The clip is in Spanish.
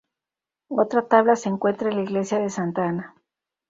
Otra tabla se encuentra en la Iglesia de Santa Ana.